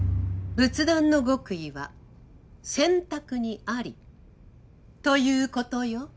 仏壇の極意は洗濯にありということよ。